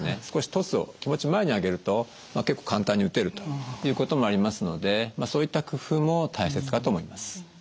少しトスを気持ち前に上げると結構簡単に打てるということもありますのでそういった工夫も大切かと思います。